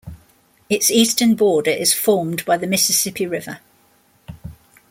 Its eastern border is formed by the Mississippi River.